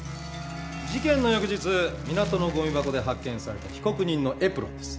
事件の翌日港のごみ箱で発見された被告人のエプロンです。